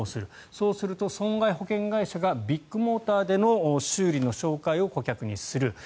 そうすると、損害保険会社がビッグモーターでの修理の紹介を顧客にする。